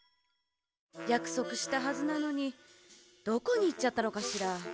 やくそくしたはずなのにどこにいっちゃったのかしら？